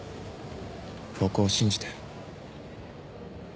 僕を信じて。